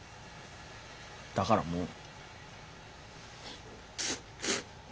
だからもう。